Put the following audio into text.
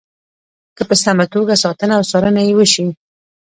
که په سمه توګه ساتنه او څارنه یې وشي.